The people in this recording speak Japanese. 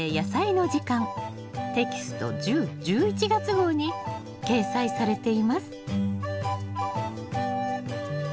テキスト１０・１１月号に掲載されています。